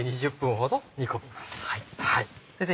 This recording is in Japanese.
先生